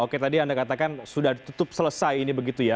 oke tadi anda katakan sudah ditutup selesai ini begitu ya